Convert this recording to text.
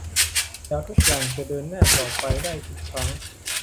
แล้วทุกอย่างจะเดินหน้าต่อไปได้อีกครั้ง